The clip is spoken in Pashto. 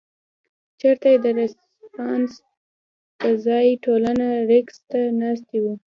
چرته چې د رسپانس پۀ ځائے ټولنه رېکشن ته ناسته وي